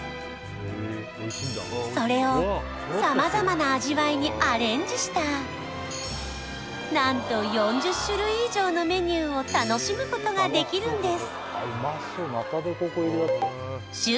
それをさまざまな味わいにアレンジしたなんと４０種類以上のメニューを楽しむことができるんです